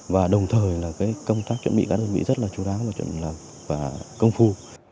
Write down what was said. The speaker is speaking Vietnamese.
và đồng thời là công tác chuẩn bị các đơn vị rất là chú đáo và công phu